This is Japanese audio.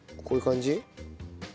こういう感じ？